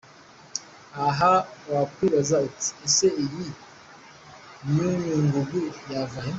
Aha wakwibaza uti ese iyi myunyungugu yava he?.